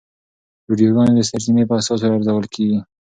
ویډیوګانې د سرچینې په اساس ارزول کېږي.